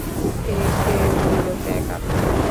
এই কে বলল প্যাক আপ?